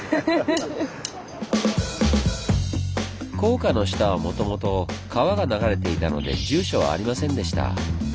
高架の下はもともと川が流れていたので住所はありませんでした。